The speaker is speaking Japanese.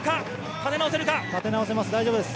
立て直せます。